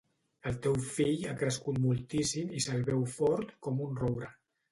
El teu fill ha crescut moltíssim i se'l veu fort com un roure.